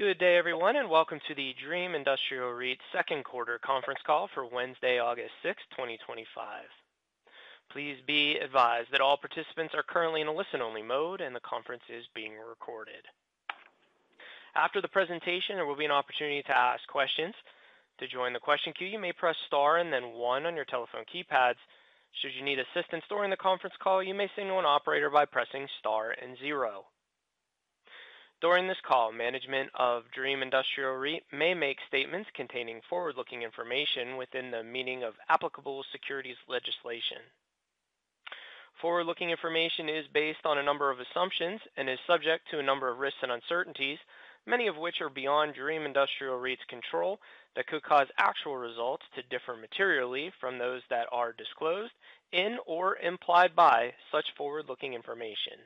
Good day, everyone, and welcome to the Dream Industrial Real Estate Investment Trust second quarter conference call for Wednesday, August 6th, 2025. Please be advised that all participants are currently in a listen-only mode, and the conference is being recorded. After the presentation, there will be an opportunity to ask questions. To join the question queue, you may press star and then one on your telephone keypads. Should you need assistance during the conference call, you may signal an operator by pressing star and zero. During this call, management of Dream Industrial Real Estate Investment Trust may make statements containing forward-looking information within the meaning of applicable securities legislation. Forward-looking information is based on a number of assumptions and is subject to a number of risks and uncertainties, many of which are beyond Dream Industrial Real Estate Investment Trust's control that could cause actual results to differ materially from those that are disclosed in or implied by such forward-looking information.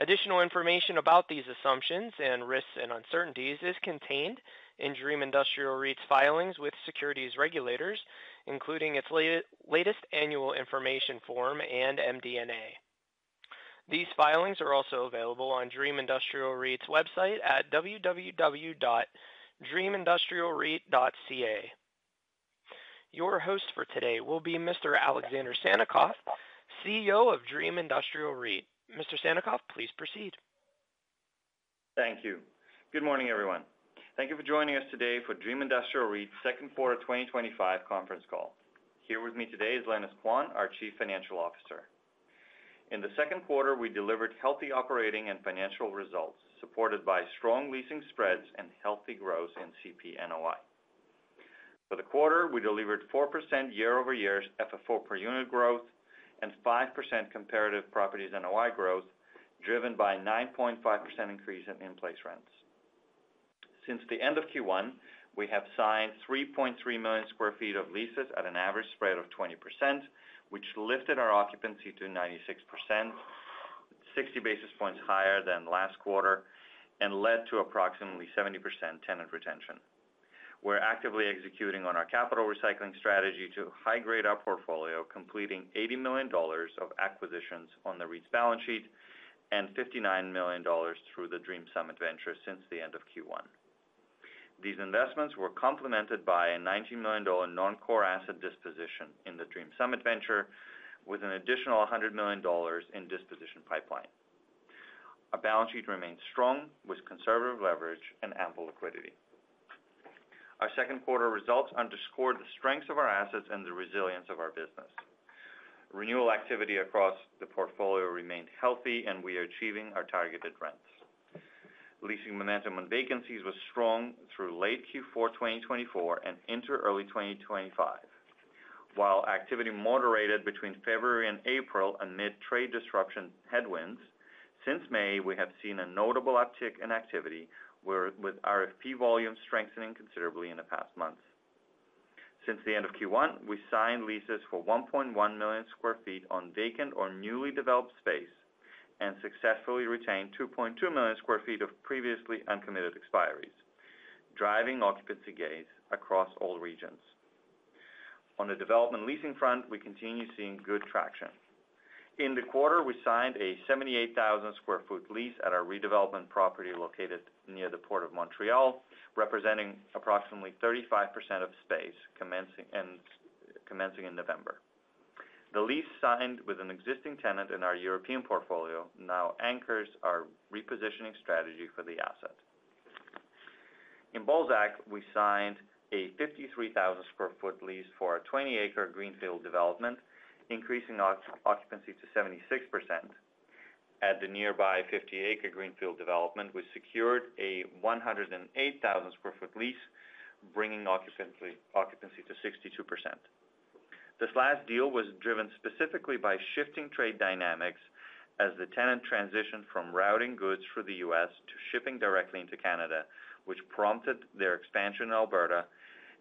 Additional information about these assumptions and risks and uncertainties is contained in Dream Industrial Real Estate Investment Trust's filings with securities regulators, including its latest annual information form and MD&A. These filings are also available on Dream Industrial Real Estate Investment Trust's website at www.dreamindustrialreal.ca. Your host for today will be Mr. Alexander Sannikov, CEO of Dream Industrial Real Estate Investment Trust. Mr. Sannikov, please proceed. Thank you. Good morning, everyone. Thank you for joining us today for Dream Industrial Real Estate Investment Trust's second quarter 2025 conference call. Here with me today is Lenis Quan, our Chief Financial Officer. In the second quarter, we delivered healthy operating and financial results supported by strong leasing spreads and healthy growth in CP/NOI. For the quarter, we delivered 4% year-over-year FFO per unit growth and 5% comparative properties NOI growth, driven by a 9.5% increase in in-place rents. Since the end of Q1, we have signed 3.3 million sq ft of leases at an average spread of 20%, which lifted our occupancy to 96%, 60 basis points higher than last quarter, and led to approximately 70% tenant retention. We're actively executing on our capital recycling strategy to high grade our portfolio, completing $80 million of acquisitions on the REIT's balance sheet and $59 million through the Dream Summit Venture since the end of Q1. These investments were complemented by a $19 million non-core asset disposition in the Dream Summit Venture, with an additional $100 million in disposition pipeline. Our balance sheet remains strong with conservative leverage and ample liquidity. Our second quarter results underscore the strengths of our assets and the resilience of our business. Renewal activity across the portfolio remained healthy, and we are achieving our targeted rents. Leasing momentum on vacancies was strong through late Q4 2024 and into early 2025. While activity moderated between February and April amid trade disruption headwinds, since May, we have seen a notable uptick in activity, with RFP volume strengthening considerably in the past month. Since the end of Q1, we signed leases for 1.1 million sq ft on vacant or newly developed space and successfully retained 2.2 million sq ft of previously uncommitted expires, driving occupancy gains across all regions. On the development leasing front, we continue seeing good traction. In the quarter, we signed a 78,000 sq ft lease at our redevelopment property located near the Port of Montreal, representing approximately 35% of space commencing in November. The lease signed with an existing tenant in our European portfolio now anchors our repositioning strategy for the asset. In Balzac, we signed a 53,000 sq ft lease for a 20 acre greenfield development, increasing occupancy to 76%. At the nearby 50 acre greenfield development, we secured a 108,000 sq ft lease, bringing occupancy to 62%. This last deal was driven specifically by shifting trade dynamics as the tenant transitioned from routing goods for the U.S. to shipping directly into Canada, which prompted their expansion in Alberta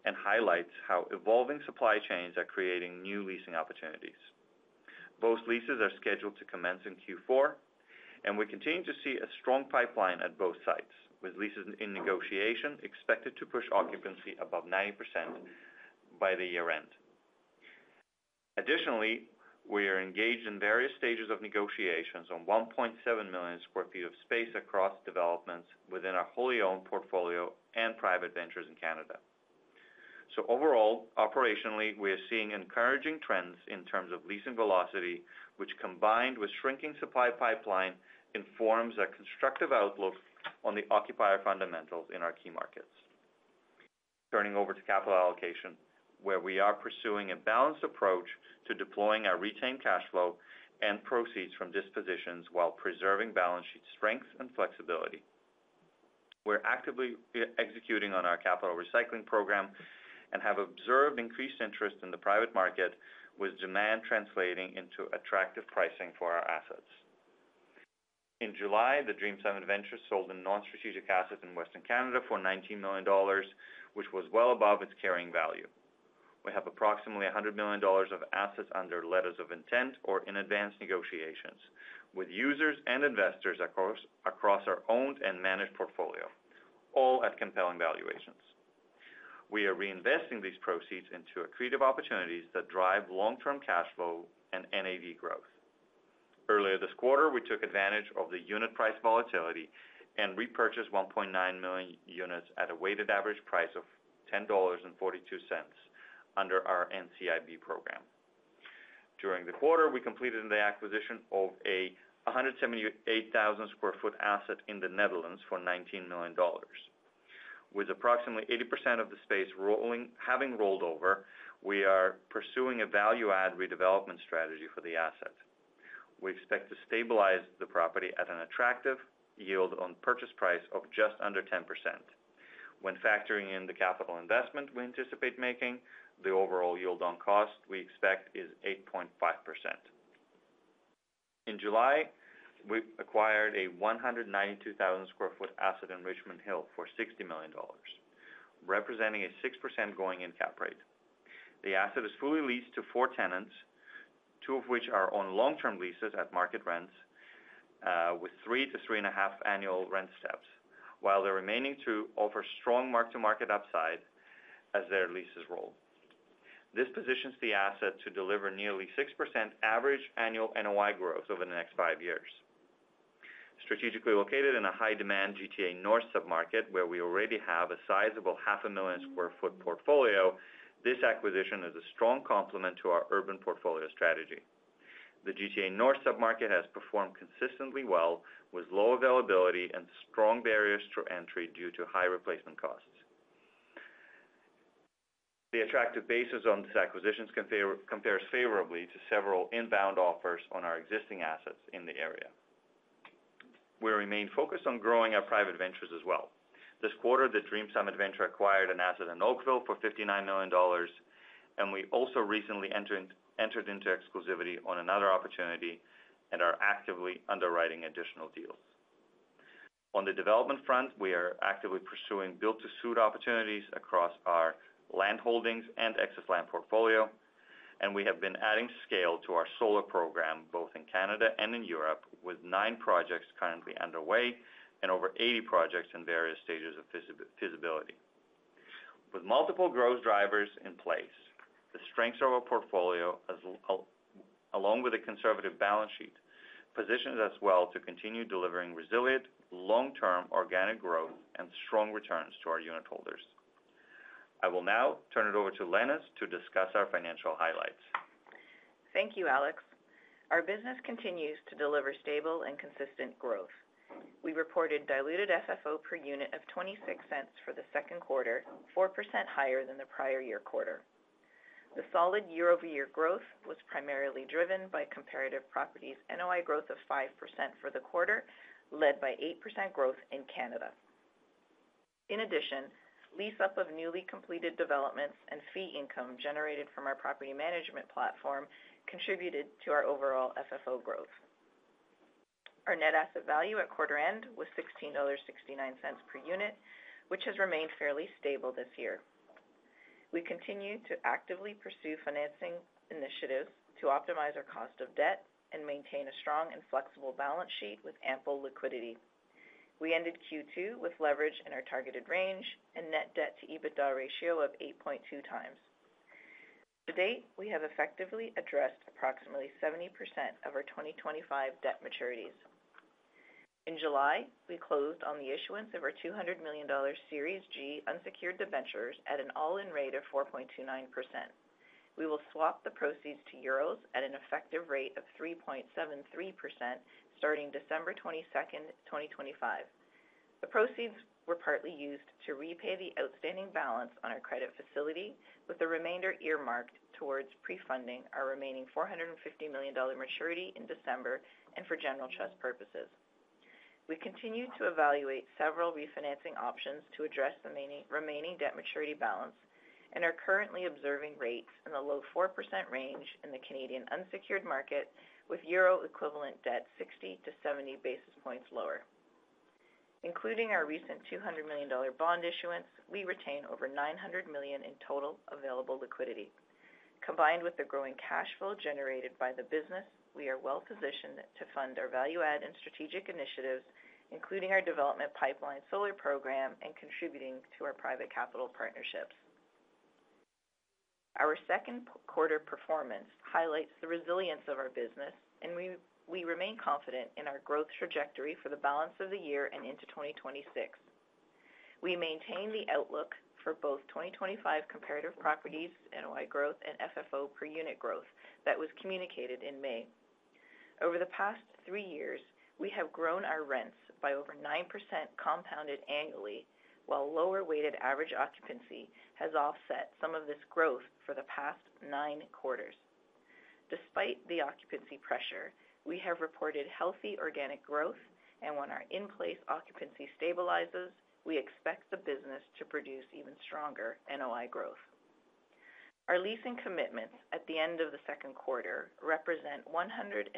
and highlights how evolving supply chains are creating new leasing opportunities. Both leases are scheduled to commence in Q4, and we continue to see a strong pipeline at both sites, with leases in negotiation expected to push occupancy above 90% by the year-end. Additionally, we are engaged in various stages of negotiations on 1.7 million sq ft of space across developments within our wholly owned portfolio and private ventures in Canada. Overall, operationally, we are seeing encouraging trends in terms of leasing velocity, which combined with shrinking supply pipeline informs a constructive outlook on the occupier fundamentals in our key markets. Turning over to capital allocation, we are pursuing a balanced approach to deploying our retained cash flow and proceeds from dispositions while preserving balance sheet strength and flexibility. We're actively executing on our capital recycling program and have observed increased interest in the private market, with demand translating into attractive pricing for our assets. In July, the Dream Summit Venture sold a non-strategic asset in Western Canada for $19 million, which was well above its carrying value. We have approximately $100 million of assets under letters of intent or in advanced negotiations with users and investors across our owned and managed portfolio, all at compelling valuations. We are reinvesting these proceeds into accretive opportunities that drive long-term cash flow and NAV growth. Earlier this quarter, we took advantage of the unit price volatility and repurchased 1.9 million units at a weighted average price of $10.42 under our NCIB program. During the quarter, we completed the acquisition of a 178,000 sq ft asset in the Netherlands for $19 million. With approximately 80% of the space having rolled over, we are pursuing a value-add redevelopment strategy for the asset. We expect to stabilize the property at an attractive yield on purchase price of just under 10%. When factoring in the capital investment we anticipate making, the overall yield on cost we expect is 8.5%. In July, we acquired a 192,000 sq ft asset in Richmond Hill for $60 million, representing a 6% going-in cap rate. The asset is fully leased to four tenants, two of which are on long-term leases at market rents, with three to three and a half annual rent steps, while the remaining two offer strong mark-to-market upside as their leases roll. This positions the asset to deliver nearly 6% average annual NOI growth over the next five years. Strategically located in a high-demand GTA North submarket, where we already have a sizable half a million square foot portfolio, this acquisition is a strong complement to our urban portfolio strategy. The GTA North submarket has performed consistently well, with low availability and strong barriers to entry due to high replacement costs. The attractive basis on this acquisition compares favorably to several inbound offers on our existing assets in the area. We remain focused on growing our private ventures as well. This quarter, the Dream Summit Venture acquired an asset in Oakville for $59 million, and we also recently entered into exclusivity on another opportunity and are actively underwriting additional deals. On the development front, we are actively pursuing build-to-suit opportunities across our land holdings and excess land portfolio, and we have been adding scale to our solar program both in Canada and in Europe, with nine projects currently underway and over 80 projects in various stages of feasibility. With multiple growth drivers in place, the strengths of our portfolio, along with a conservative balance sheet, position us well to continue delivering resilient, long-term organic growth and strong returns to our unit holders. I will now turn it over to Lenis to discuss our financial highlights. Thank you, Alex. Our business continues to deliver stable and consistent growth. We reported diluted FFO per unit of $0.26 for the second quarter, 4% higher than the prior year quarter. The solid year-over-year growth was primarily driven by comparative properties NOI growth of 5% for the quarter, led by 8% growth in Canada. In addition, lease-up of newly completed developments and fee income generated from our property management platform contributed to our overall FFO growth. Our net asset value at quarter end was $16.69 per unit, which has remained fairly stable this year. We continue to actively pursue financing initiatives to optimize our cost of debt and maintain a strong and flexible balance sheet with ample liquidity. We ended Q2 with leverage in our targeted range and net debt to EBITDA ratio of 8.2 times. To date, we have effectively addressed approximately 70% of our 2025 debt maturities. In July, we closed on the issuance of our $200 million Series G unsecured debenture at an all-in rate of 4.29%. We will swap the proceeds to euros at an effective rate of 3.73% starting December 22nd, 2025. The proceeds were partly used to repay the outstanding balance on our credit facility, with the remainder earmarked towards pre-funding our remaining $450 million maturity in December and for general trust purposes. We continue to evaluate several refinancing options to address the remaining debt maturity balance and are currently observing rates in the low 4% range in the Canadian unsecured market, with euro equivalent debt 60 basis points-70 basis points lower. Including our recent $200 million bond issuance, we retain over $900 million in total available liquidity. Combined with the growing cash flow generated by the business, we are well positioned to fund our value-add and strategic initiatives, including our development pipeline, solar program, and contributing to our private capital partnerships. Our second quarter performance highlights the resilience of our business, and we remain confident in our growth trajectory for the balance of the year and into 2026. We maintain the outlook for both 2025 comparative properties NOI growth and FFO per unit growth that was communicated in May. Over the past three years, we have grown our rents by over 9% compounded annually, while lower weighted average occupancy has offset some of this growth for the past nine quarters. Despite the occupancy pressure, we have reported healthy organic growth, and when our in-place occupancy stabilizes, we expect the business to produce even stronger NOI growth. Our leasing commitments at the end of the second quarter represent 190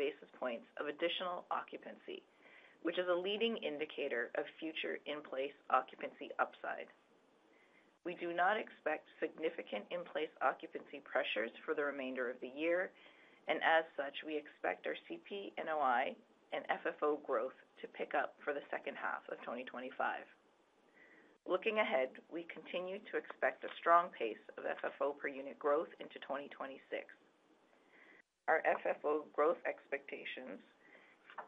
basis points of additional occupancy, which is a leading indicator of future in-place occupancy upside. We do not expect significant in-place occupancy pressures for the remainder of the year, and as such, we expect our CP/NOI and FFO growth to pick up for the second half of 2025. Looking ahead, we continue to expect a strong pace of FFO per unit growth into 2026. Our FFO growth expectations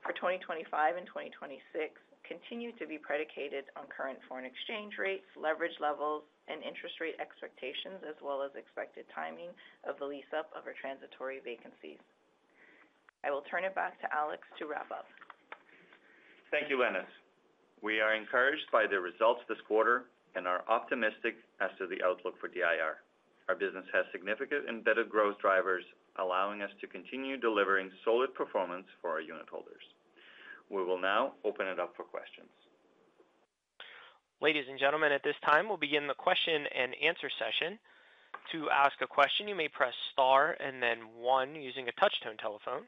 for 2025 and 2026 continue to be predicated on current foreign exchange rates, leverage levels, and interest rate expectations, as well as expected timing of the lease-up of our transitory vacancies. I will turn it back to Alex to wrap up. Thank you, Lenis. We are encouraged by the results this quarter and are optimistic as to the outlook for Dream Industrial REIT. Our business has significant embedded growth drivers, allowing us to continue delivering solid performance for our unitholders. We will now open it up for questions. Ladies and gentlemen, at this time, we'll begin the question and answer session. To ask a question, you may press star and then one using a touch-tone telephone.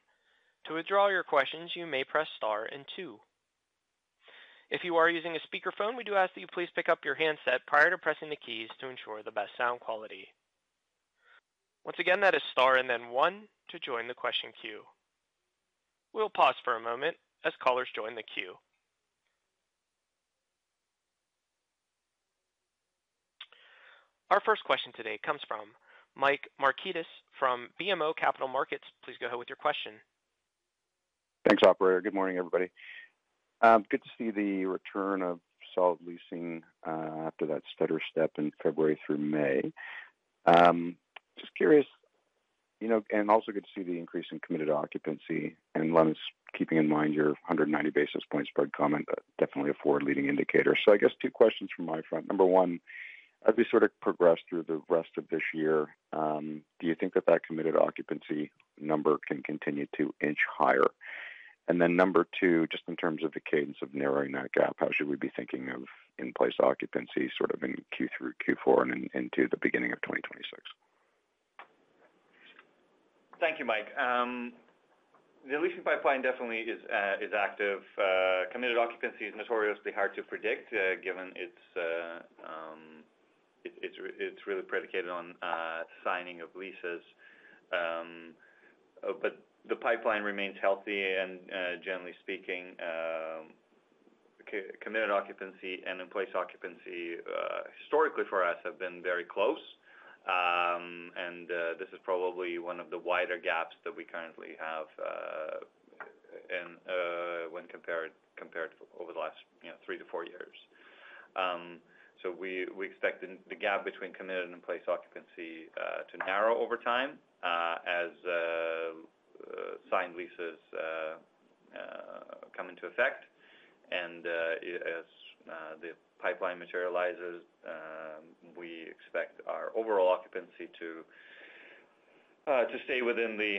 To withdraw your questions, you may press star and two. If you are using a speaker phone, we do ask that you please pick up your handset prior to pressing the keys to ensure the best sound quality. Once again, that is star and then one to join the question queue. We'll pause for a moment as callers join the queue. Our first question today comes from Mike Markidis from BMO Capital Markets. Please go ahead with your question. Thanks, operator. Good morning, everybody. Good to see the return of solid leasing after that stutter step in February through May. Just curious, you know, and also good to see the increase in committed occupancy and Lenis, keeping in mind your 190 basis points spread comment, but definitely a forward-leaning indicator. I guess two questions from my front. Number one, as we sort of progress through the rest of this year, do you think that that committed occupancy number can continue to inch higher? Number two, just in terms of the cadence of narrowing that gap, how should we be thinking of in-place occupancy sort of in Q3, Q4, and into the beginning of 2026? Thank you, Mike. The leasing pipeline definitely is active. Committed occupancy is notoriously hard to predict, given it's really predicated on signing of leases. The pipeline remains healthy, and generally speaking, committed occupancy and in-place occupancy historically for us have been very close. This is probably one of the wider gaps that we currently have when compared over the last three to four years. We expect the gap between committed and in-place occupancy to narrow over time as signed leases come into effect. As the pipeline materializes, we expect our overall occupancy to stay within the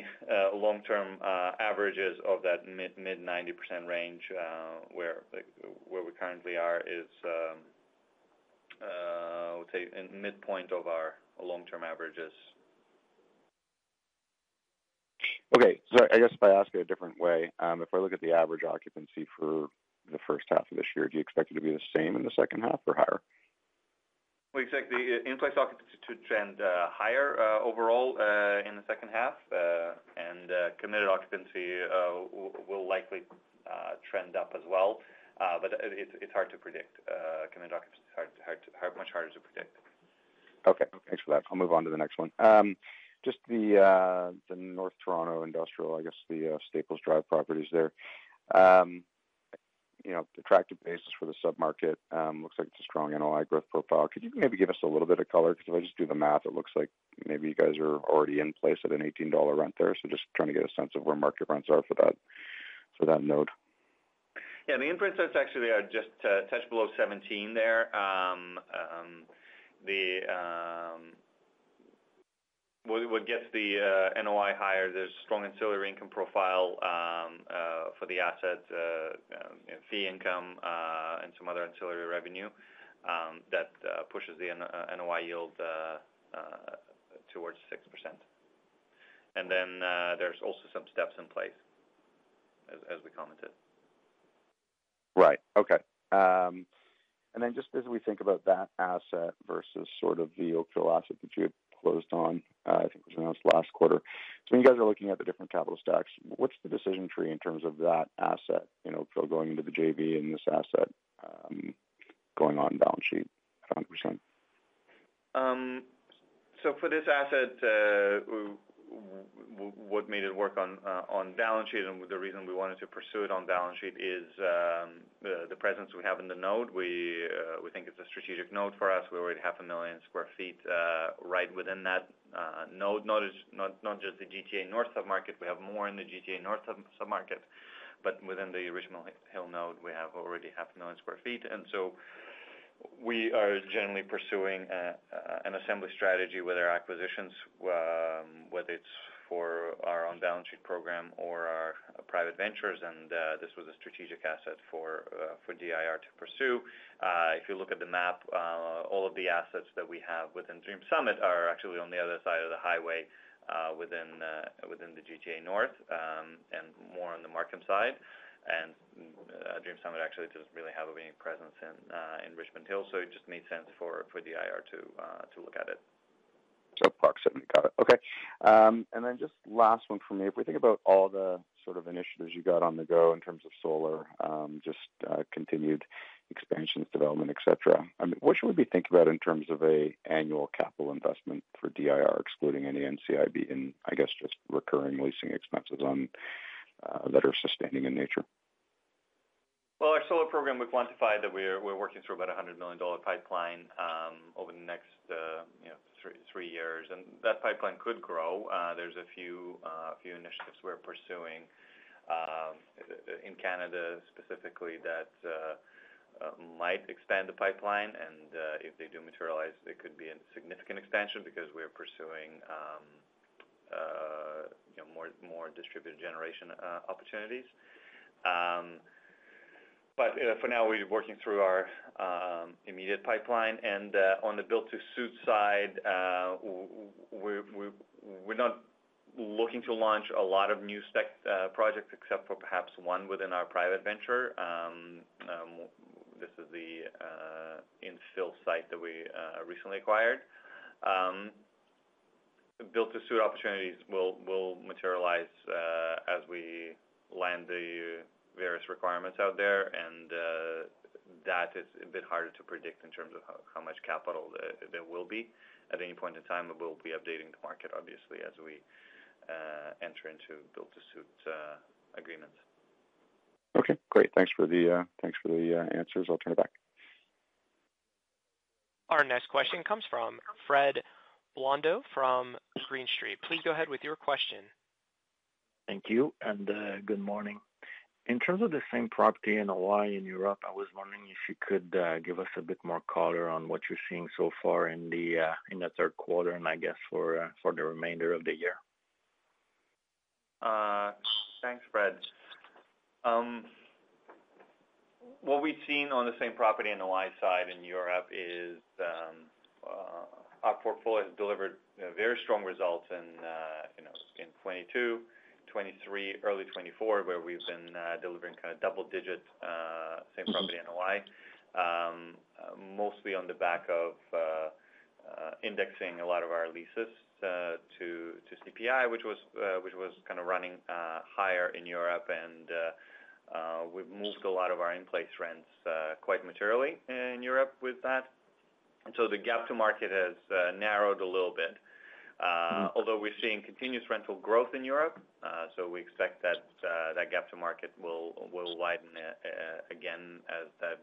long-term averages of that mid-90% range. Where we currently are is, I would say, in midpoint of our long-term averages. Okay. If I ask you a different way, if I look at the average occupancy for the first half of this year, do you expect it to be the same in the second half or higher? We expect the in-place occupancy to trend higher overall in the second half, and committed occupancy will likely trend up as well. It is hard to predict. Committed occupancy is much harder to predict. Okay. Thanks for that. I'll move on to the next one. Just the North Toronto industrial, I guess the Staples Drive properties there. You know, attractive basis for the submarket. Looks like it's a strong NOI growth profile. Could you maybe give us a little bit of color? Because if I just do the math, it looks like maybe you guys are already in place at an $18 rent there. Just trying to get a sense of where market rents are for that node. Yeah, the in-place rents actually are just a touch below $17 there. What gets the NOI higher, there's a strong ancillary income profile for the asset, fee income, and some other ancillary revenue that pushes the NOI yield towards 6%. There's also some steps in place, as we commented. Right. Okay. As we think about that asset versus the Oakville asset that you had closed on, I think it was announced last quarter. When you guys are looking at the different capital stacks, what's the decision tree in terms of that asset in Oakville going into the JV and this asset going on balance sheet at 100%? For this asset, what made it work on balance sheet and the reason we wanted to pursue it on balance sheet is the presence we have in the node. We think it's a strategic node for us. We already have a 1 million sq ft right within that node, not just the GTA North submarket. We have more in the GTA North submarket. Within the Richmond Hill node, we have already half a million square feet. We are generally pursuing an assembly strategy with our acquisitions, whether it's for our own balance sheet program or our private ventures. This was a strategic asset for DIR to pursue. If you look at the map, all of the assets that we have within Dream Summit are actually on the other side of the highway within the GTA North and more on the Markham side. Dream Summit actually doesn't really have a big presence in Richmond Hill. It just made sense for DIR to look at it. Park City, got it. Okay. Just last one for me. If we think about all the sort of initiatives you got on the go in terms of solar, just continued expansions, development, etc., what should we be thinking about in terms of an annual capital investment for Dream Industrial REIT, excluding any NCIB in, I guess, just recurring leasing expenses that are sustaining in nature? Our solar program, we quantified that we're working through about a $100 million pipeline over the next three years. That pipeline could grow. There are a few initiatives we're pursuing in Canada specifically that might expand the pipeline. If they do materialize, it could be a significant expansion because we're pursuing more distributed generation opportunities. For now, we're working through our immediate pipeline. On the build-to-suit side, we're not looking to launch a lot of new spec projects except for perhaps one within our private venture. This is the infill site that we recently acquired. Build-to-suit opportunities will materialize as we land the various requirements out there. That is a bit harder to predict in terms of how much capital there will be at any point in time. We'll be updating the market, obviously, as we enter into build-to-suit agreements. Okay. Great. Thanks for the answers. I'll turn it back. Our next question comes from Frederic Blondeau from Green Street Advisors. Please go ahead with your question. Thank you. Good morning. In terms of the same property in Hawaii and Europe, I was wondering if you could give us a bit more color on what you're seeing so far in the third quarter and for the remainder of the year. Thanks, Fred. What we've seen on the same property NOI side in Europe is our portfolio has delivered very strong results in 2022, 2023, early 2024, where we've been delivering kind of double-digit same property NOI, mostly on the back of indexing a lot of our leases to CPI, which was kind of running higher in Europe. We've moved a lot of our in-place rents quite materially in Europe with that. The gap to market has narrowed a little bit, although we're seeing continuous rental growth in Europe. We expect that gap to market will widen again as that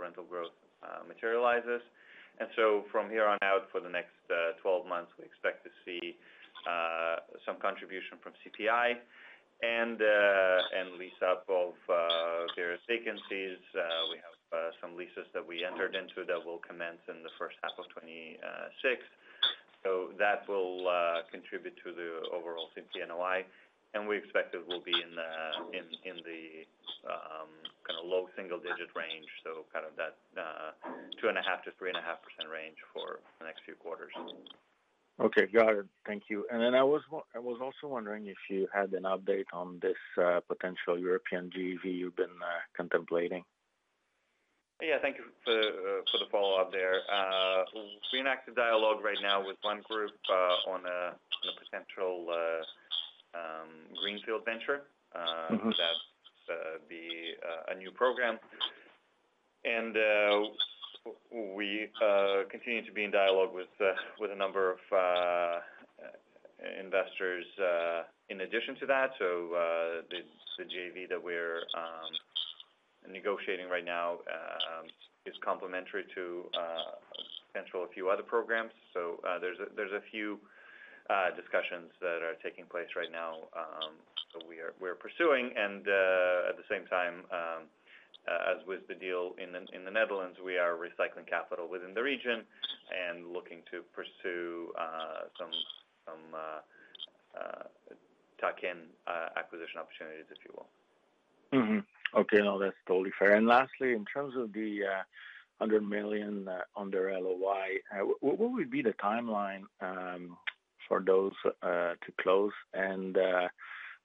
rental growth materializes. From here on out for the next 12 months, we expect to see some contribution from CPI and lease-up of various vacancies. We have some leases that we entered into that will commence in the first half of 2026. That will contribute to the overall CPI and NOI. We expect it will be in the kind of low single-digit range, so kind of that 2.5%-3.5% range for the next few quarters. Okay. Got it. Thank you. I was also wondering if you had an update on this potential European JV you've been contemplating. Thank you for the follow-up there. We're in active dialogue right now with one group on a potential greenfield venture that's a new program. We continue to be in dialogue with a number of investors in addition to that. The JV that we're negotiating right now is complementary to potentially a few other programs. There are a few discussions that are taking place right now that we're pursuing. At the same time, as with the deal in the Netherlands, we are recycling capital within the region and looking to pursue some tuck-in acquisition opportunities, if you will. Okay. No, that's totally fair. Lastly, in terms of the $100 million under LOI, what would be the timeline for those to close?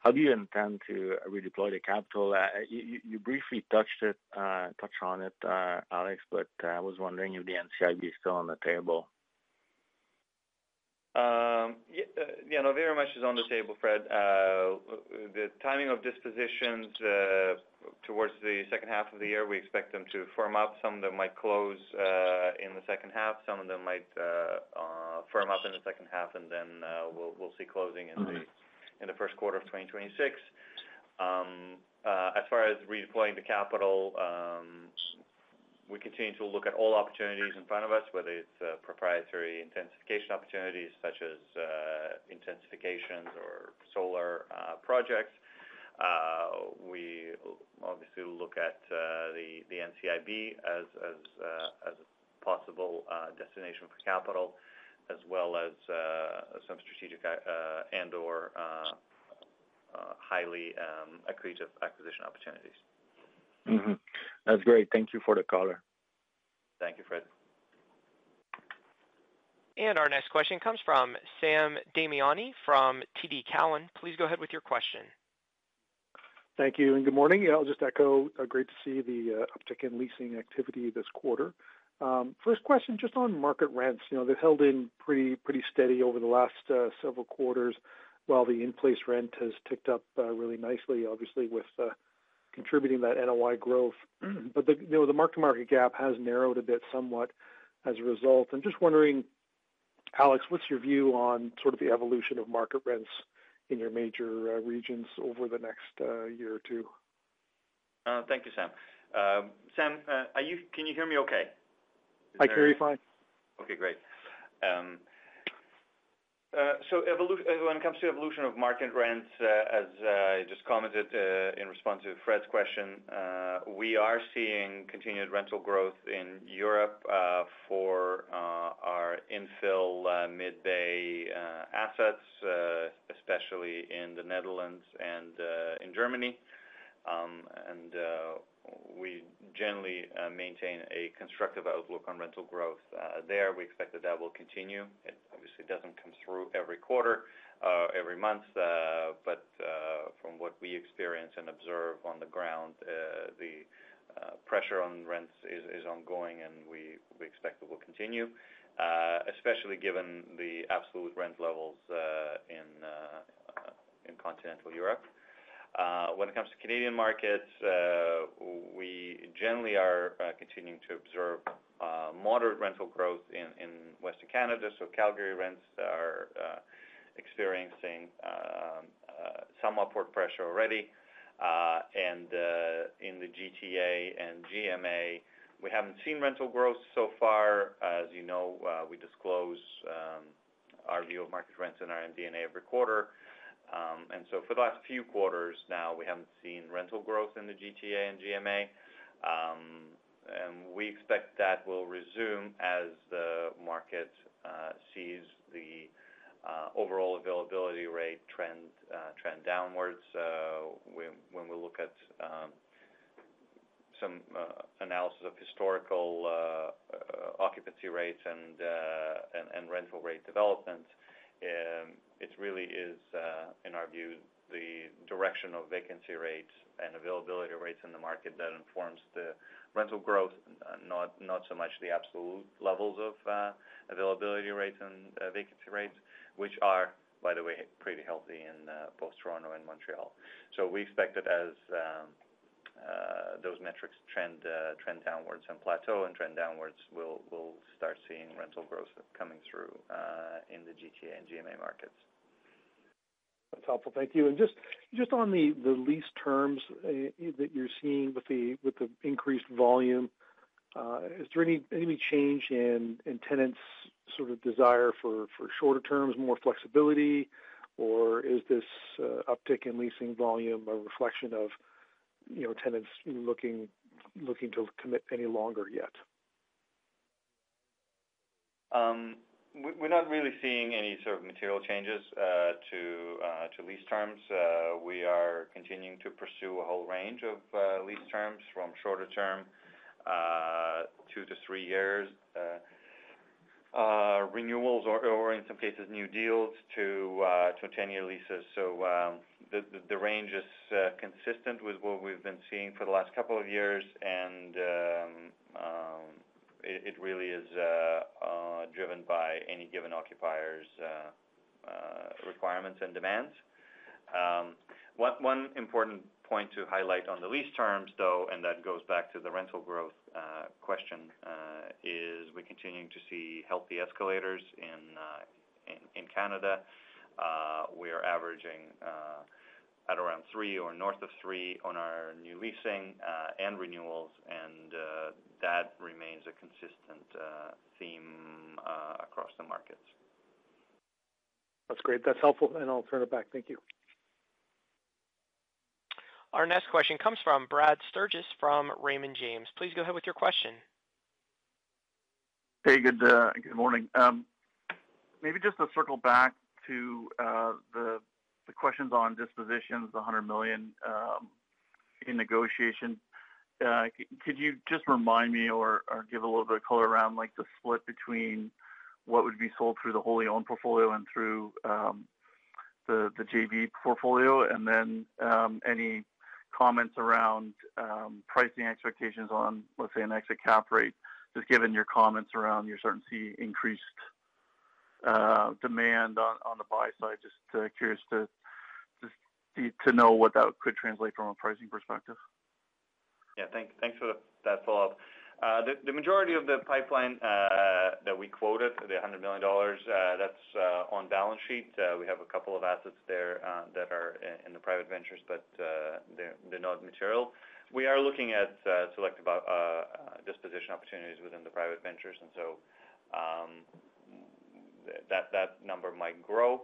How do you intend to redeploy the capital? You briefly touched on it, Alex, but I was wondering if the NCIB is still on the table. Yeah, no, very much is on the table, Fred. The timing of dispositions towards the second half of the year, we expect them to firm up. Some of them might close in the second half. Some of them might firm up in the second half, and then we'll see closing in the first quarter of 2026. As far as redeploying the capital, we continue to look at all opportunities in front of us, whether it's proprietary intensification opportunities such as intensifications or solar projects. We obviously look at the NCIB as a possible destination for capital, as well as some strategic and/or highly accretive acquisition opportunities. That's great. Thank you for the color. Thank you, Fred. Our next question comes from Sam Damiani from TD Cowen. Please go ahead with your question. Thank you. Good morning. I'll just echo, great to see the uptick in leasing activity this quarter. First question, just on market rents. You know, they've held in pretty steady over the last several quarters while the in-place rent has ticked up really nicely, obviously, with contributing that NOI growth. The market-to-market gap has narrowed a bit somewhat as a result. I'm just wondering, Alex, what's your view on sort of the evolution of market rents in your major regions over the next year or two? Thank you, Sam. Sam, can you hear me okay? I hear you fine. Okay, great. When it comes to evolution of market rents, as I just commented in response to Fred's question, we are seeing continued rental growth in Europe for our infill mid-bay assets, especially in the Netherlands and in Germany. We generally maintain a constructive outlook on rental growth there. We expect that will continue. It obviously doesn't come through every quarter or every month. From what we experience and observe on the ground, the pressure on rents is ongoing, and we expect it will continue, especially given the absolute rent levels in continental Europe. When it comes to Canadian markets, we generally are continuing to observe moderate rental growth in Western Canada. Calgary rents are experiencing some upward pressure already. In the GTA and GMA, we haven't seen rental growth so far. As you know, we disclose our view of market rents in our MD&A every quarter. For the last few quarters now, we haven't seen rental growth in the GTA and GMA. We expect that will resume as the market sees the overall availability rate trend downwards. When we look at some analysis of historical occupancy rates and rental rate developments, it really is, in our view, the direction of vacancy rates and availability rates in the market that informs the rental growth, not so much the absolute levels of availability rates and vacancy rates, which are, by the way, pretty healthy in both Toronto and Montreal. We expect that as those metrics trend downwards and plateau and trend downwards, we'll start seeing rental growth coming through in the GTA and GMA markets. That's helpful. Thank you. Just on the lease terms that you're seeing with the increased volume, is there any change in tenants' sort of desire for shorter terms, more flexibility, or is this uptick in leasing volume a reflection of tenants looking to commit any longer yet? We're not really seeing any sort of material changes to lease terms. We are continuing to pursue a whole range of lease terms from shorter-term, two to three year renewals, or in some cases, new deals to 10-year leases. The range is consistent with what we've been seeing for the last couple of years, and it really is driven by any given occupier's requirements and demands. One important point to highlight on the lease terms, though, and that goes back to the rental growth question, is we're continuing to see healthy escalators in Canada. We are averaging at around 3% or north of 3% on our new leasing and renewals, and that remains a consistent theme across the markets. That's great. That's helpful, and I'll turn it back. Thank you. Our next question comes from Brad Sturges from Raymond James. Please go ahead with your question. Hey, good morning. Maybe just to circle back to the questions on dispositions, the $100 million in negotiation, could you just remind me or give a little bit of color around the split between what would be sold through the wholly owned portfolio and through the JV portfolio? Any comments around pricing expectations on, let's say, an exit cap rate, given your comments around your certainty, increased demand on the buy side, just curious to know what that could translate from a pricing perspective. Yeah, thanks for that follow-up. The majority of the pipeline that we quoted, the $100 million, that's on balance sheet. We have a couple of assets there that are in the private ventures, but they're not material. We are looking at selective disposition opportunities within the private ventures, and that number might grow.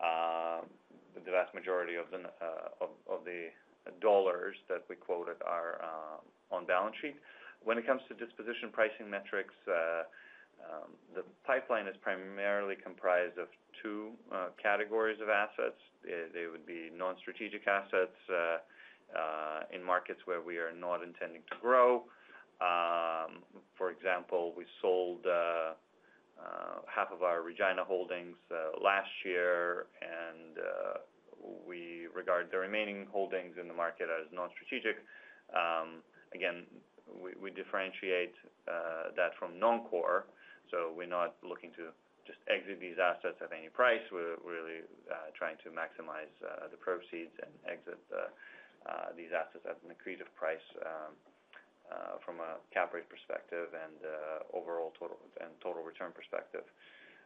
The vast majority of the dollars that we quoted are on balance sheet. When it comes to disposition pricing metrics, the pipeline is primarily comprised of two categories of assets. They would be non-strategic assets in markets where we are not intending to grow. For example, we sold half of our Regina holdings last year, and we regard the remaining holdings in the market as non-strategic. We differentiate that from non-core. We're not looking to just exit these assets at any price. We're really trying to maximize the proceeds and exit these assets at an accretive price from a cap rate perspective and overall total return perspective.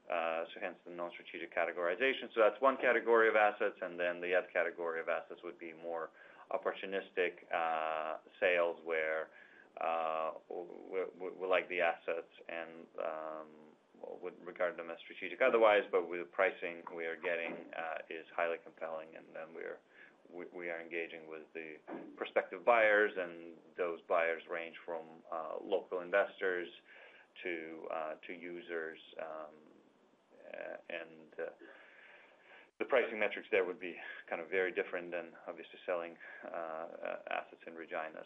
Hence the non-strategic categorization. That's one category of assets, and the other category of assets would be more opportunistic sales where we like the assets and would regard them as strategic otherwise, but the pricing we are getting is highly compelling. We are engaging with the prospective buyers, and those buyers range from local investors to users. The pricing metrics there would be very different than obviously selling assets in Regina.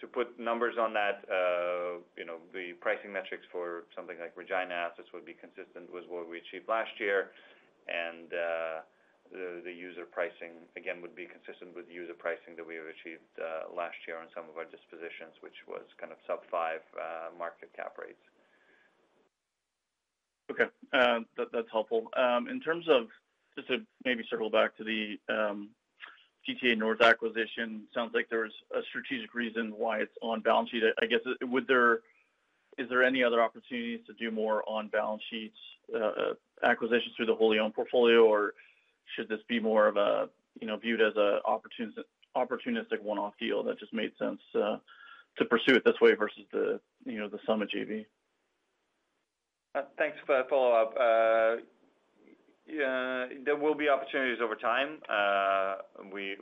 To put numbers on that, the pricing metrics for something like Regina assets would be consistent with what we achieved last year. The user pricing, again, would be consistent with the user pricing that we have achieved last year on some of our dispositions, which was kind of sub-5% market cap rates. Okay. That's helpful. In terms of just to maybe circle back to the GTA North acquisition, it sounds like there's a strategic reason why it's on balance sheet. I guess, is there any other opportunities to do more on balance sheet acquisitions through the wholly owned portfolio, or should this be more of a viewed as an opportunistic one-off deal that just made sense to pursue it this way versus the sum of JV? Thanks for that follow-up. There will be opportunities over time.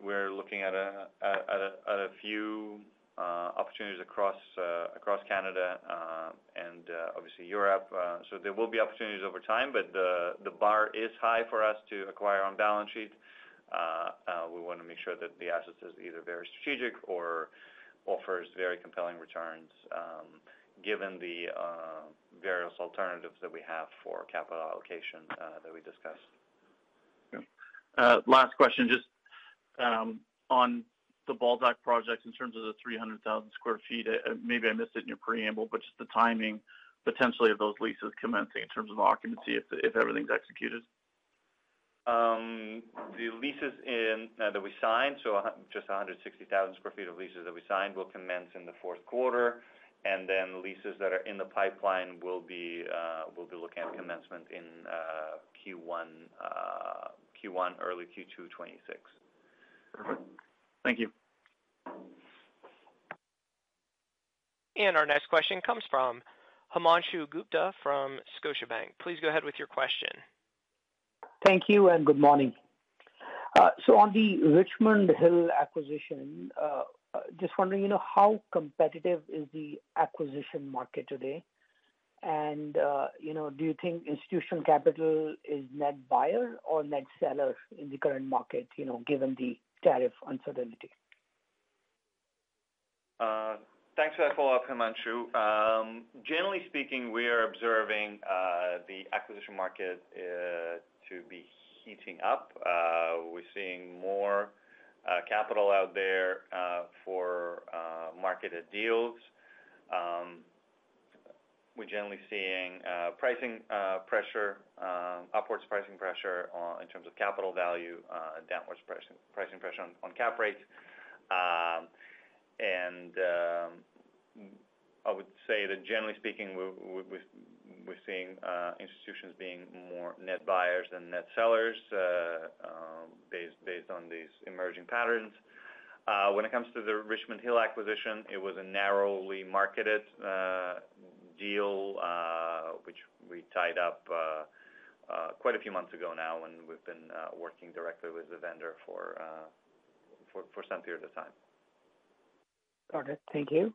We're looking at a few opportunities across Canada and obviously Europe. There will be opportunities over time, but the bar is high for us to acquire on balance sheet. We want to make sure that the asset is either very strategic or offers very compelling returns given the various alternatives that we have for capital allocation that we discussed. Okay. Last question, just on the Balzac projects in terms of the 300,000 sq ft, maybe I missed it in your preamble, but just the timing potentially of those leases commencing in terms of the occupancy if everything's executed. The leases that we signed, just 160,000 sq ft of leases that we signed, will commence in the fourth quarter. The leases that are in the pipeline will be looking at commencement in Q1, early Q2 2026. Perfect. Thank you. Our next question comes from Himanshu Gupta from Scotiabank. Please go ahead with your question. Thank you and good morning. On the Richmond Hill acquisition, just wondering, you know how competitive is the acquisition market today? Do you think institutional capital is net buyer or net seller in the current market, you know given the tariff uncertainty? Thanks for that follow-up, Himanshu. Generally speaking, we are observing the acquisition market to be heating up. We're seeing more capital out there for marketed deals. We're generally seeing pricing pressure, upwards pricing pressure in terms of capital value, downwards pricing pressure on cap rates. I would say that generally speaking, we're seeing institutions being more net buyers than net sellers based on these emerging patterns. When it comes to the Richmond Hill acquisition, it was a narrowly marketed deal, which we tied up quite a few months ago now and we've been working directly with the vendor for some period of time. Got it. Thank you.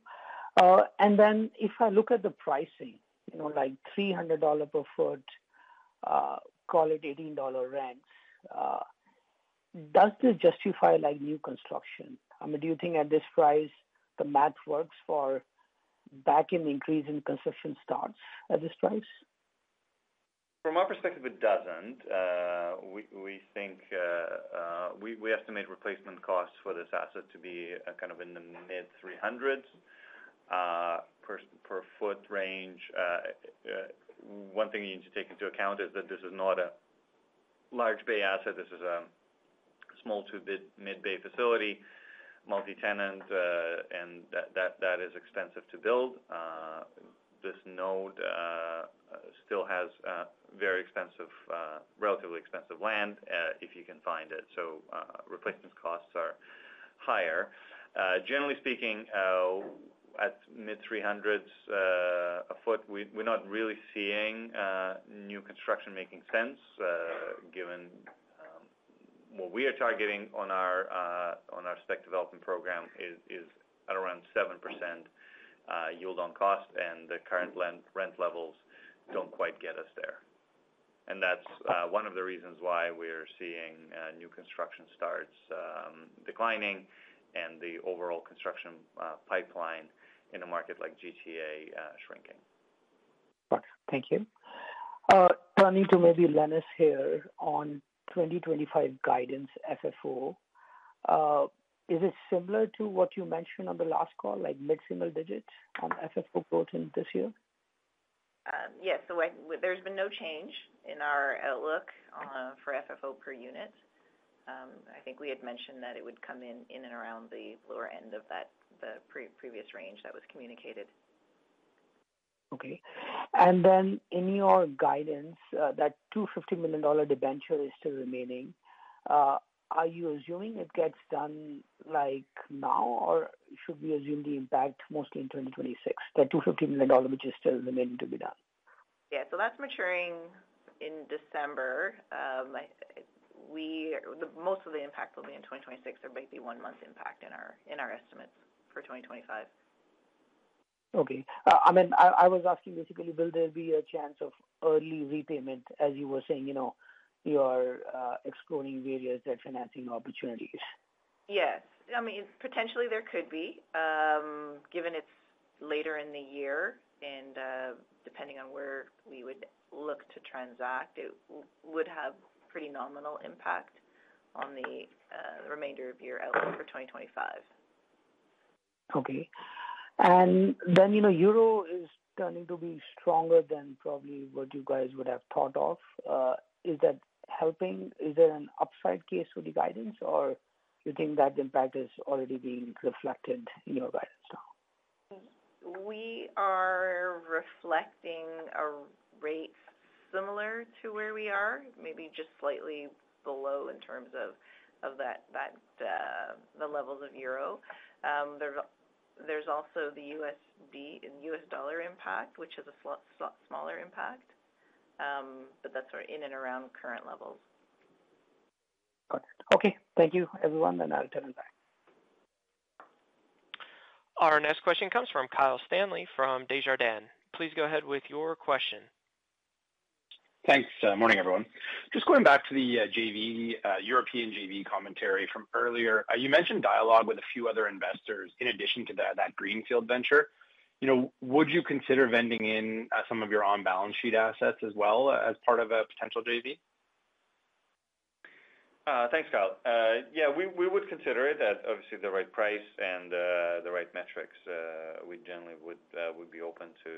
If I look at the pricing, you know, like $300 per foot, call it $18 rent, does this justify new construction? Do you think at this price the math works for backing increase in construction starts at this price? From our perspective, it doesn't. We think we estimate replacement costs for this asset to be kind of in the mid-$300s per foot range. One thing you need to take into account is that this is not a large bay asset. This is a small to mid-bay facility, multi-tenant, and that is expensive to build. This node still has very expensive, relatively expensive land if you can find it. Replacement costs are higher. Generally speaking, at mid-$300s a foot, we're not really seeing new construction making sense given what we are targeting on our spec development program is at around 7% yield on cost, and the current rent levels don't quite get us there. That's one of the reasons why we're seeing new construction starts declining and the overall construction pipeline in a market like GTA shrinking. Okay. Thank you. Turning to maybe Lenis here on 2025 guidance FFO, is it similar to what you mentioned on the last call, like mid-single digits on FFO quoting this year? Yes. There's been no change in our outlook for FFO per unit. I think we had mentioned that it would come in in and around the lower end of that previous range that was communicated. Okay. In your guidance, that $250 million debenture is still remaining. Are you assuming it gets done now, or should we assume the impact mostly in 2026, that $250 million, which is still remaining to be done? Yeah. That's maturing in December. Most of the impact will be in 2026. There might be one month impact in our estimates for 2025. Okay. I mean, I was asking basically, will there be a chance of early repayment, as you were saying, you know you are excluding various debt financing opportunities? Yes, I mean, potentially, there could be, given it's later in the year. Depending on where we would look to transact, it would have pretty nominal impact on the remainder of the year for 2025. Okay. You know EUR is turning to be stronger than probably what you guys would have thought of. Is that helping? Is there an upside case to the guidance, or do you think that the impact is already being reflected in your guidance now? We are reflecting a rate similar to where we are, maybe just slightly below in terms of the levels of EUR. There's also the USD, the US dollar impact, which is a smaller impact. That's sort of in and around current levels. Okay. Thank you. I'll turn it back. Our next question comes from Kyle Stanley from Desjardins Securities Inc. Please go ahead with your question. Thanks. Morning, everyone. Just going back to the European JV commentary from earlier, you mentioned dialogue with a few other investors in addition to that greenfield venture. Would you consider vending in some of your on-balance sheet assets as well as part of a potential JV? Thanks, Kyle. Yeah, we would consider it at obviously the right price and the right metrics. We generally would be open to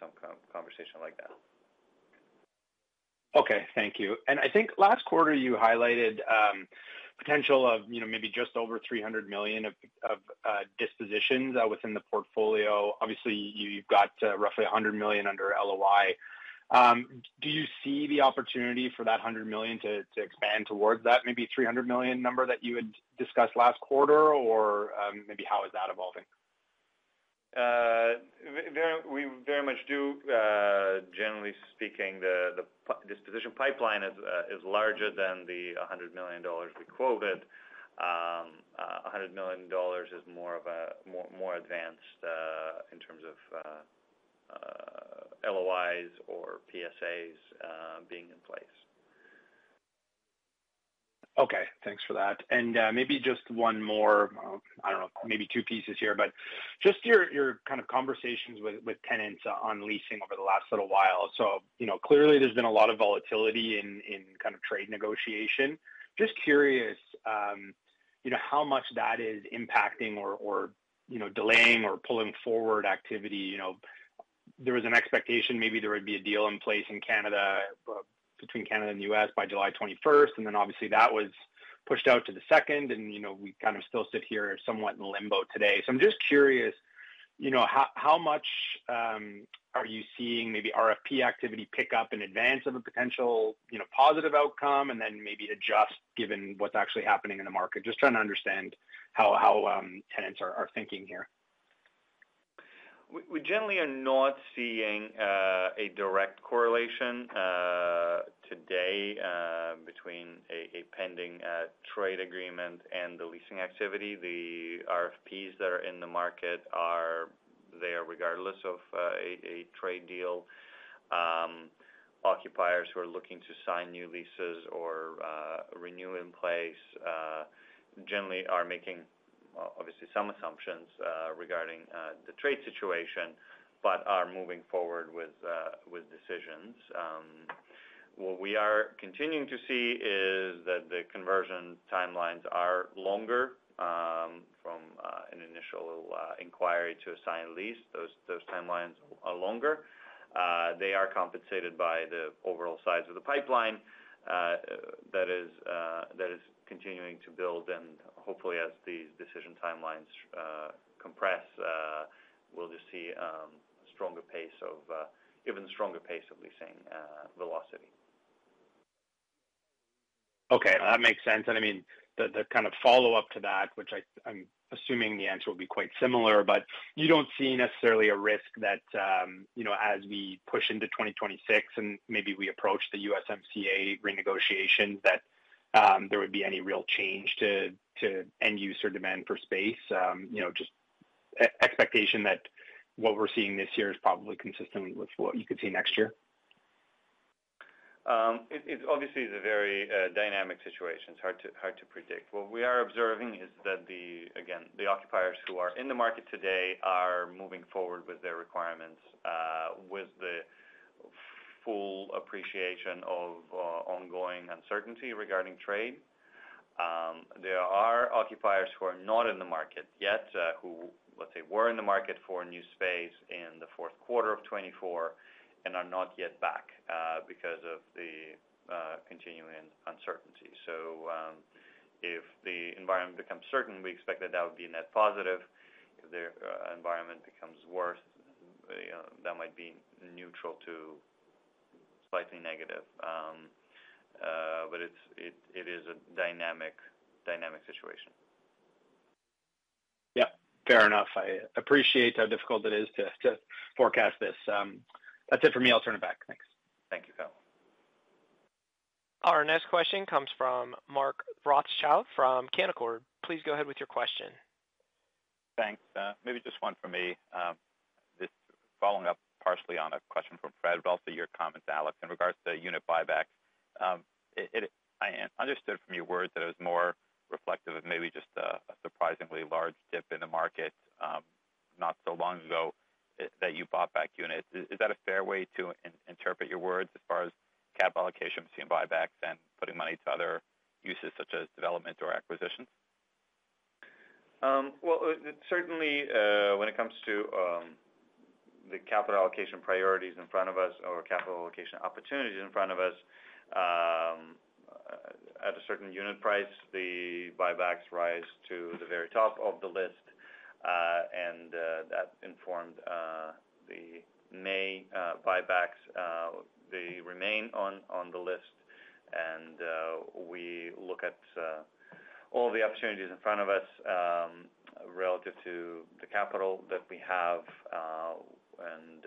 some conversation like that. Thank you. I think last quarter you highlighted the potential of maybe just over $300 million of dispositions within the portfolio. Obviously, you've got roughly $100 million under LOI. Do you see the opportunity for that $100 million to expand towards that maybe $300 million number that you had discussed last quarter, or how is that evolving? We very much do. Generally speaking, the disposition pipeline is larger than the $100 million we quoted. $100 million is more advanced in terms of LOIs or PSAs being in place. Okay. Thanks for that. Maybe just one more, maybe two pieces here, but just your kind of conversations with tenants on leasing over the last little while. Clearly, there's been a lot of volatility in kind of trade negotiation. Just curious how much that is impacting or delaying or pulling forward activity. There was an expectation maybe there would be a deal in place in Canada between Canada and the U.S. by July 21st, and then obviously that was pushed out to the 2nd, and we kind of still sit here somewhat in limbo today. I'm just curious how much are you seeing maybe RFP activity pick up in advance of a potential positive outcome and then maybe adjust given what's actually happening in the market. Just trying to understand how tenants are thinking here. We generally are not seeing a direct correlation today between a pending trade agreement and the leasing activity. The RFPs that are in the market are there regardless of a trade deal. Occupiers who are looking to sign new leases or renew in place generally are making obviously some assumptions regarding the trade situation, but are moving forward with decisions. What we are continuing to see is that the conversion timelines are longer. From an initial inquiry to a signed lease, those timelines are longer. They are compensated by the overall size of the pipeline that is continuing to build. Hopefully, as these decision timelines compress, we'll just see a stronger pace of even a stronger pace of leasing velocity. Okay. That makes sense. The kind of follow-up to that, which I'm assuming the answer will be quite similar, is you don't see necessarily a risk that, as we push into 2026 and maybe we approach the USMCA renegotiation, there would be any real change to end-user demand for space? Just expectation that what we're seeing this year is probably consistent with what you could see next year? It obviously is a very dynamic situation. It's hard to predict. What we are observing is that, again, the occupiers who are in the market today are moving forward with their requirements with the full appreciation of ongoing uncertainty regarding trade. There are occupiers who are not in the market yet, who, let's say, were in the market for a new space in the fourth quarter of 2024 and are not yet back because of the continuing uncertainty. If the environment becomes certain, we expect that would be net positive. If the environment becomes worse, that might be neutral to slightly negative. It is a dynamic situation. Yeah. Fair enough. I appreciate how difficult it is to forecast this. That's it for me. I'll turn it back. Thanks. Thank you, Kyle. Our next question comes from Mark Rothschild from Canaccord. Please go ahead with your question. Thanks. Maybe just one for me. This is following up partially on a question from Fred, but also your comments, Alex, in regards to unit buybacks. I understood from your words that it was more reflective of maybe just a surprisingly large dip in the market not so long ago that you bought back units. Is that a fair way to interpret your words as far as capital allocation between buybacks and putting money to other uses such as development or acquisitions? When it comes to the capital allocation priorities in front of us or capital allocation opportunities in front of us, at a certain unit price, the buybacks rise to the very top of the list. That informed the May buybacks. They remain on the list, and we look at all the opportunities in front of us relative to the capital that we have and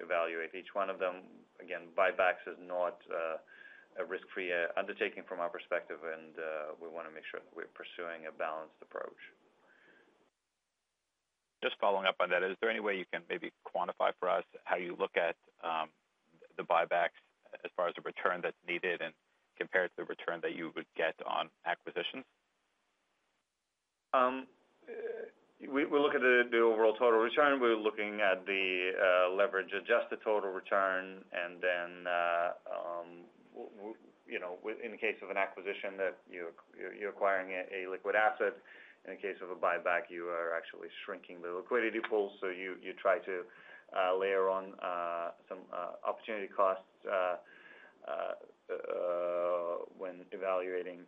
evaluate each one of them. Again, buybacks is not a risk-free undertaking from our perspective, and we want to make sure that we're pursuing a balanced approach. Just following up on that, is there any way you can maybe quantify for us how you look at the buybacks as far as the return that's needed and compared to the return that you would get on acquisitions? We look at the overall total return. We're looking at the leverage-adjusted total return. In the case of an acquisition, you're acquiring a liquid asset. In the case of a buyback, you are actually shrinking the liquidity pool. You try to layer on some opportunity costs when evaluating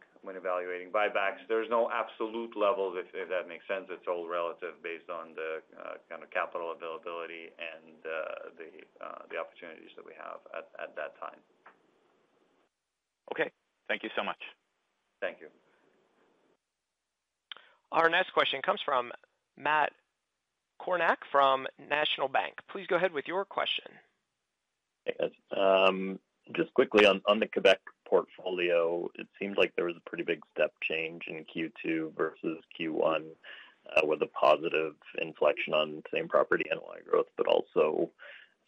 buybacks. There's no absolute level, if that makes sense. It's all relative based on the kind of capital availability and the opportunities that we have at that time. Okay, thank you so much. Thank you. Our next question comes from Matt Kornack from National Bank Financial. Please go ahead with your question. Thanks, guys. Just quickly, on the Quebec portfolio, it seems like there was a pretty big step change in Q2 versus Q1 with a positive inflection on same property NOI growth, but also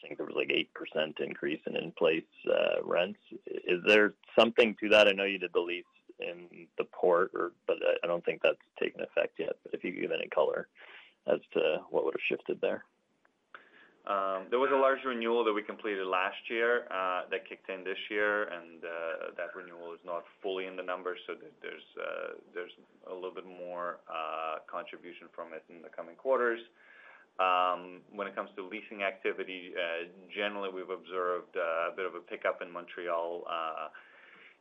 I think there was like an 8% increase in in-place rents. Is there something to that? I know you did the lease in the Port of Montreal, but I don't think that's taken effect yet. If you could give any color as to what would have shifted there. There was a large renewal that we completed last year that kicked in this year, and that renewal is not fully in the numbers, so there's a little bit more contribution from it in the coming quarters. When it comes to leasing activity, generally, we've observed a bit of a pickup in Montreal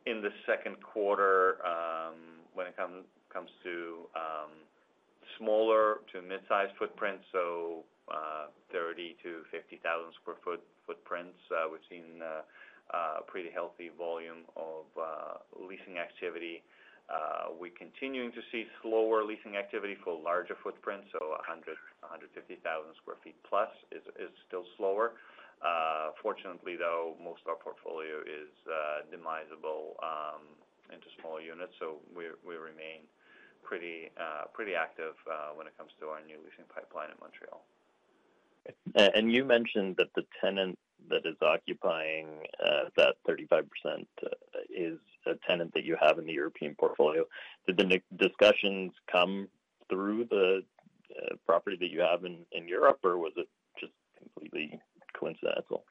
in the second quarter when it comes to smaller to mid-sized footprints, so 30,000 sq ft-50,000 sq ft footprints. We've seen a pretty healthy volume of leasing activity. We're continuing to see slower leasing activity for larger footprints, so 150,000 sq ft plus is still slower. Fortunately, though, most of our portfolio is demisable into smaller units, so we remain pretty active when it comes to our new leasing pipeline in Montreal. You mentioned that the tenant that is occupying that 35% is a tenant that you have in the European portfolio. Did the discussions come through the property that you have in Europe, or was it just completely coincidental?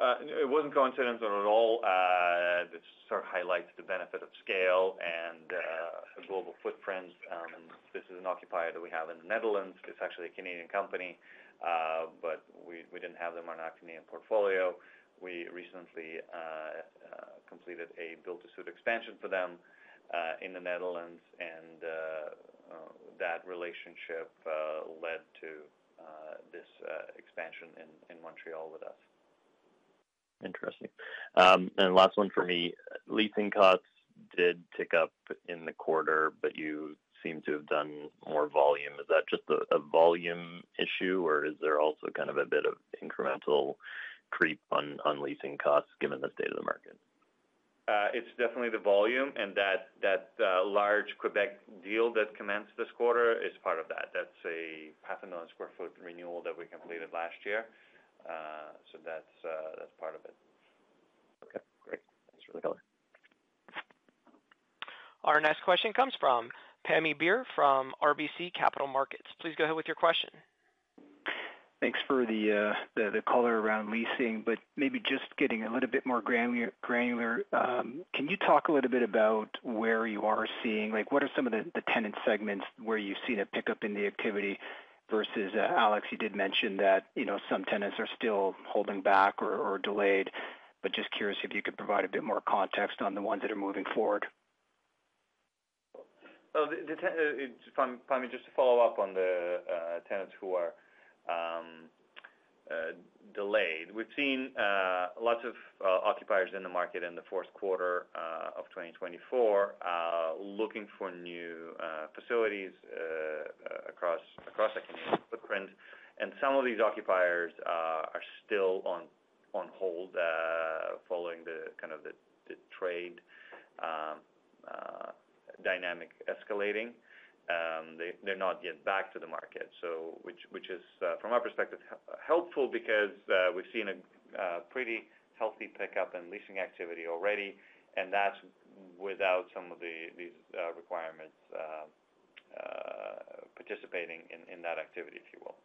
It wasn't coincidental at all. This sort of highlights the benefit of scale and global footprints. This is an occupier that we have in the Netherlands. It's actually a Canadian company, but we didn't have them on our Canadian portfolio. We recently completed a build-to-suit expansion for them in the Netherlands, and that relationship led to this expansion in Montreal with us. Interesting. Last one for me. Leasing costs did tick up in the quarter, but you seem to have done more volume. Is that just a volume issue, or is there also kind of a bit of incremental creep on leasing costs given the state of the market? It's definitely the volume, and that large Quebec deal that commenced this quarter is part of that. That's a $0.5 million sq ft renewal that we completed last year, so that's part of it. Okay. Great. Thanks for the color. Our next question comes from Pammi Bir from RBC Capital Markets. Please go ahead with your question. Thanks for the color around leasing, but maybe just getting a little bit more granular. Can you talk a little bit about where you are seeing, like what are some of the tenant segments where you've seen a pickup in the activity versus, Alex, you did mention that you know some tenants are still holding back or delayed, but just curious if you could provide a bit more context on the ones that are moving forward. Pammi, just to follow up on the tenants who are delayed, we've seen lots of occupiers in the market in the fourth quarter of 2024 looking for new facilities across a Canadian footprint. Some of these occupiers are still on hold following the kind of the trade dynamic escalating. They're not yet back to the market, which is, from our perspective, helpful because we've seen a pretty healthy pickup in leasing activity already, and that's without some of these requirements participating in that activity, if you will.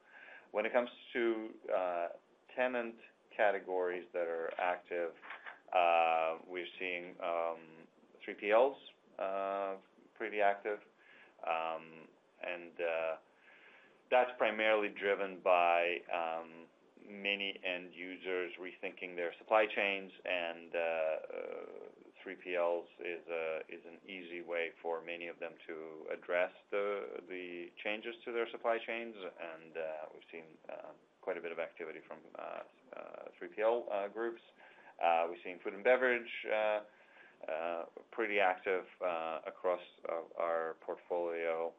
When it comes to tenant categories that are active, we're seeing 3PLs pretty active. That's primarily driven by many end users rethinking their supply chains, and 3PLs is an easy way for many of them to address the changes to their supply chains. We've seen quite a bit of activity from 3PL groups. We've seen food and beverage pretty active across our portfolio.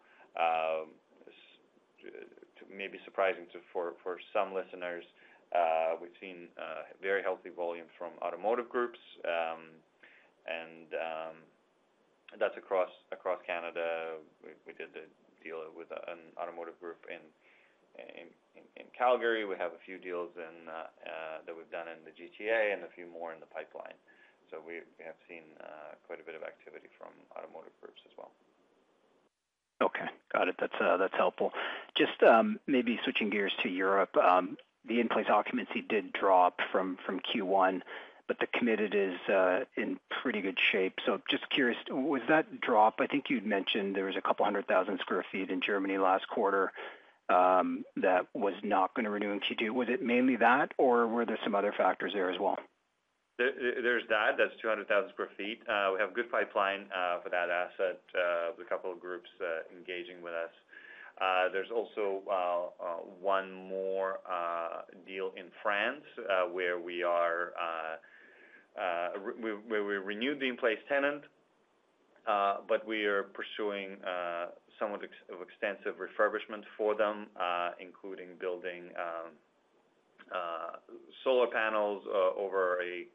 Maybe surprising for some listeners, we've seen very healthy volume from automotive groups, and that's across Canada. We did a deal with an automotive group in Calgary. We have a few deals that we've done in the GTA and a few more in the pipeline. We have seen quite a bit of activity from automotive groups as well. Okay. Got it. That's helpful. Just maybe switching gears to Europe, the in-place occupancy did drop from Q1, but the committed is in pretty good shape. Just curious, was that drop? I think you'd mentioned there was a couple hundred thousand square feet in Germany last quarter that was not going to renew in Q2. Was it mainly that, or were there some other factors there as well? There's that. That's 200,000 sq ft. We have a good pipeline for that asset with a couple of groups engaging with us. There's also one more deal in France where we renewed the in-place tenant, but we are pursuing somewhat of extensive refurbishment for them, including building solar panels over a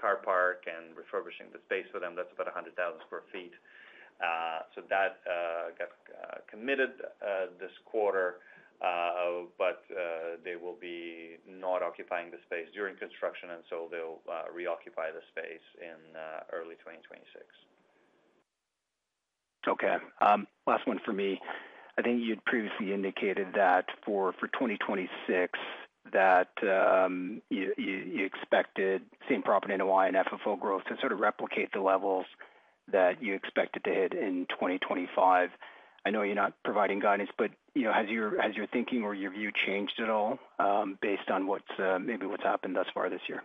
car park and refurbishing the space for them. That's about 100,000 sq ft. That got committed this quarter, but they will not be occupying the space during construction, and they'll reoccupy the space in early 2026. Okay. Last one for me. I think you'd previously indicated that for 2026, that you expected same property NOI and FFO growth to sort of replicate the levels that you expected to hit in 2025. I know you're not providing guidance, but you know has your thinking or your view changed at all based on maybe what's happened thus far this year?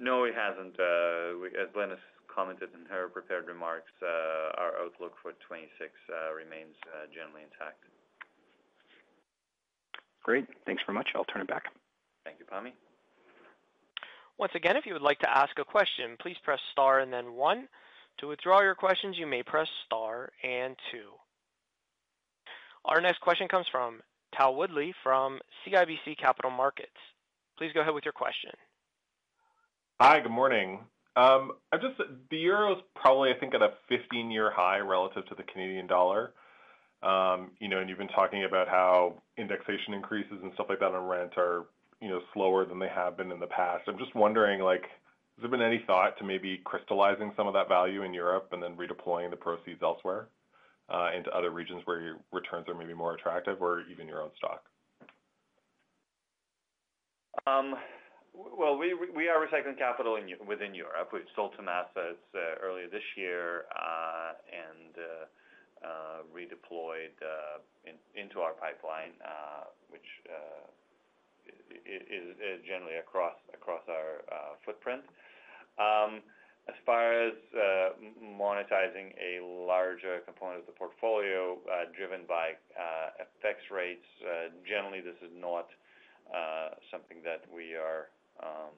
No, it hasn't. As Lenis Quan commented in her prepared remarks, our outlook for 2026 remains generally intact. Great. Thanks very much. I'll turn it back. Thank you, Pammi. Once again, if you would like to ask a question, please press star and then one. To withdraw your questions, you may press star and two. Our next question comes from Tao Woodley from CIBC Capital Markets. Please go ahead with your question. Hi, good morning. The euro is probably, I think, at a 15-year high relative to the Canadian dollar. You've been talking about how indexation increases and stuff like that on rent are slower than they have been in the past. I'm just wondering, has there been any thought to maybe crystallizing some of that value in Europe and then redeploying the proceeds elsewhere into other regions where returns are maybe more attractive or even your own stock? We are recycling capital within Europe. We've sold some assets earlier this year and redeployed into our pipeline, which is generally across our footprint. As far as monetizing a larger component of the portfolio driven by FX rates, generally, this is not something that we are kind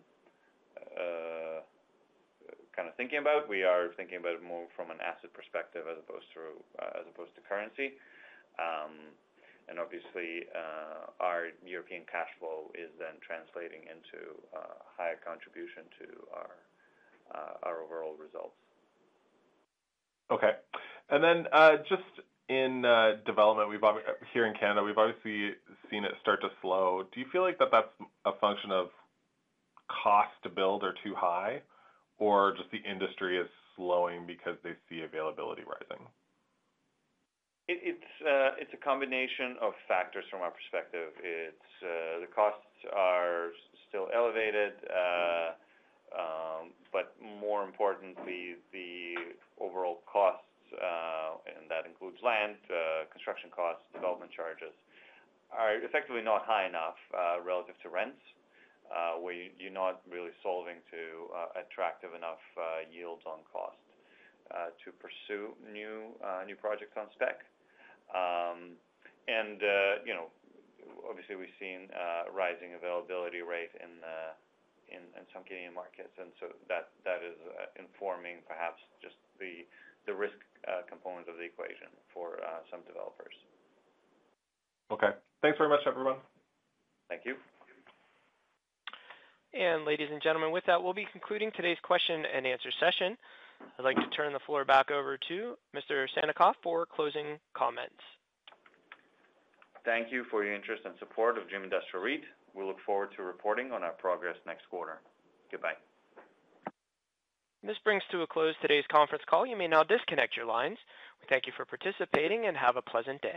of thinking about. We are thinking about it more from an asset perspective as opposed to currency. Obviously, our European cash flow is then translating into a higher contribution to our overall results. Okay. In development, here in Canada, we've obviously seen it start to slow. Do you feel like that's a function of cost to build are too high, or just the industry is slowing because they see availability rising? It's a combination of factors from our perspective. The costs are still elevated, but more importantly, the overall costs, and that includes land, construction costs, development charges, are effectively not high enough relative to rents, where you're not really solving to attractive enough yields on cost to pursue new projects on spec. Obviously, we've seen a rising availability rate in some Canadian markets, and that is informing perhaps just the risk component of the equation for some developers. Okay, thanks very much, everyone. Thank you. Ladies and gentlemen, with that, we'll be concluding today's question and answer session. I'd like to turn the floor back over to Mr. Alexander Sannikov for closing comments. Thank you for your interest and support of Dream Industrial REIT. We look forward to reporting on our progress next quarter. Goodbye. This brings to a close today's conference call. You may now disconnect your lines. We thank you for participating and have a pleasant day.